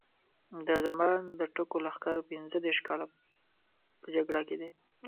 د زمان د ټکو لښکر پینځه دېرش کاله په جګړه کې دی.